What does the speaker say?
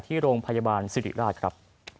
ที่โรงพยาบาลสิริราชครับ